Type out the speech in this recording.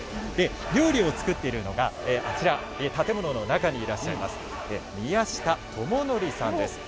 料理を作っているのがあちらの建物の中にいらっしゃる宮下友則さんです。